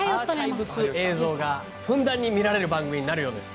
アーカイブス映像がふんだんに見られる番組になるようです。